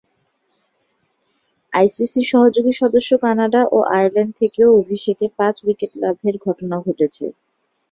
আইসিসি’র সহযোগী সদস্য কানাডা ও আয়ারল্যান্ড থেকেও অভিষেকে পাঁচ-উইকেট লাভের ঘটনা ঘটেছে।